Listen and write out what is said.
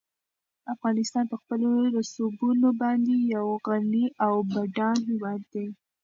افغانستان په خپلو رسوبونو باندې یو غني او بډای هېواد دی.